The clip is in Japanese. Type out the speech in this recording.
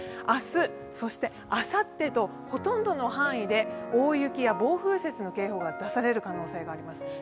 明日、そしてあさってとほとんどの範囲で大雪や暴風雪の警報が出される可能性があります。